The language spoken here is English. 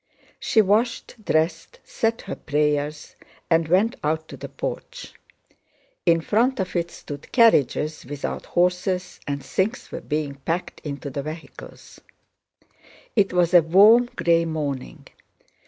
She washed, dressed, said her prayers, and went out to the porch. In front of it stood carriages without horses and things were being packed into the vehicles. It was a warm, gray morning.